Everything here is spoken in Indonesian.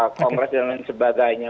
kongres dan lain sebagainya